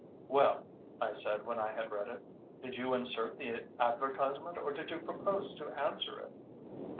"Well," I said when I had read it, "did you insert the advertisement or do you propose to answer it?"